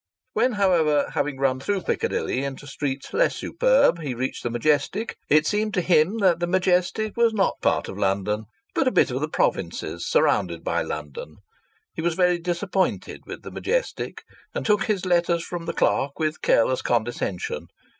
When, however, having run through Piccadilly into streets less superb, he reached the Majestic, it seemed to him that the Majestic was not a part of London, but a bit of the provinces surrounded by London. He was very disappointed with the Majestic, and took his letters from the clerk with careless condescension.